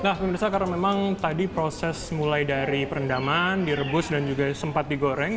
nah pemirsa karena memang tadi proses mulai dari perendaman direbus dan juga sempat digoreng